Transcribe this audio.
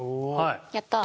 やったー！